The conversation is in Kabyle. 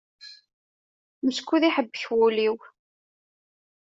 Meskud iḥebbek wul-iw.